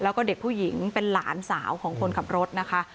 แล้วก็เด็กผู้หญิงเป็นหลานสาวของคนขับรถนะคะ